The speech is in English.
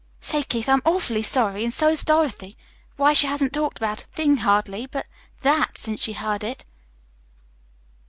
Keith stiffened. "Say, Keith, I'm awfully sorry, and so's Dorothy. Why, she hasn't talked about a thing, hardly, but that, since she heard of it."